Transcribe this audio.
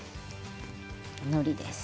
のりです。